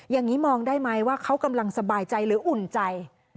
อย่างนี้มองได้ไหมว่าเขากำลังสบายใจหรืออุ่นใจ